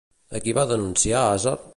A qui va denunciar Aser?